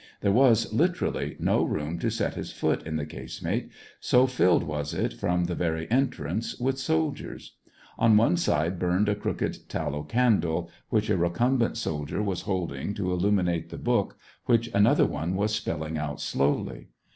There was, literally, no room to set his foot in the casemate, so filled was it, from the very entrance, with soldiers. On one side burned a crooked tal low candle, which a recumbent soldier was holding to illuminate the book which another one was spelling out slowly.